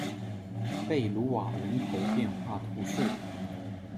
贝卢瓦人口变化图示